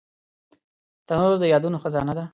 تنور د یادونو خزانه ده